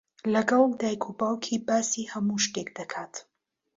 لەگەڵ دایک و باوکی باسی هەموو شتێک دەکات.